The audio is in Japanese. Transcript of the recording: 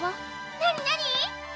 何何？